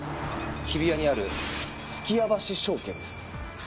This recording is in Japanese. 日比谷にある数寄屋橋証券です。